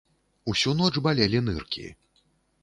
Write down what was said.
Усю ноч балелі ныркі.